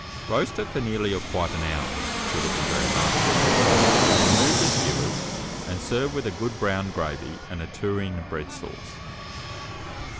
Roast it for nearly or quite an hour, should it be very large; remove the skewers, and serve with a good brown gravy and a tureen of bread sauce.